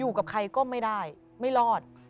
อยู่กับใครก็ไม่ได้ไม่รอด